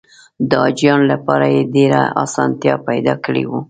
د حاجیانو لپاره یې ډېره اسانتیا پیدا کړې وه.